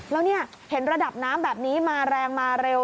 แล้วเนี่ยเห็นระดับน้ำแบบนี้มาแรงมาเร็ว